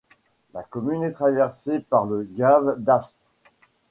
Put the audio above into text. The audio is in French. La commune est traversée par le gave d'Aspe.